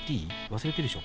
忘れてるでしょ？